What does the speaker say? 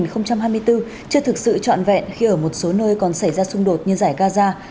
năm hai nghìn hai mươi bốn chưa thực sự trọn vẹn khi ở một số nơi còn xảy ra xung đột như giải gaza